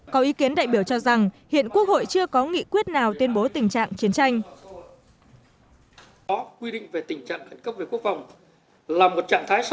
có ý kiến đại biểu cho rằng hiện quốc hội chưa có nghị quyết nào tuyên bố tình trạng chiến tranh